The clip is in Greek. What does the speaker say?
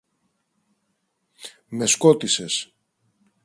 Με σκότισες!